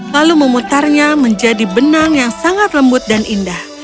lalu memutarnya menjadi benang yang sangat lembut dan indah